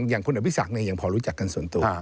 อย่างคุณอบิษักเนี่ยอย่างพอรู้จักกันส่วนตัว